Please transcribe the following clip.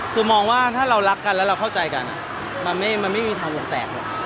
คือมองว่าถ้าเรารักกันแล้วเราเข้าใจกันมันไม่มีทางวงแตกหรอก